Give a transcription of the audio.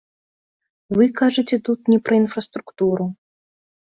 Вы кажаце тут не пра інфраструктуру.